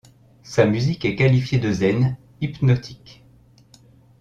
Sa musique est qualifiée de zen, hypnotique.